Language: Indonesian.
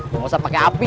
gak usah pake api